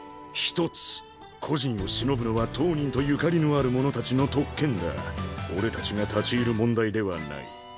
１つ故人を偲ぶのは当人とゆかりのある者俺たちが立ち入る問題ではない。